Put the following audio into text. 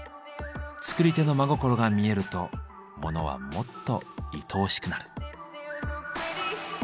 作り手の真心が見えるとモノはもっといとおしくなる。